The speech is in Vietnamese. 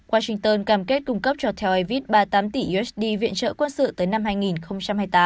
washington cam kết cung cấp cho tel avit ba mươi tám tỷ usd viện trợ quân sự tới năm hai nghìn hai mươi tám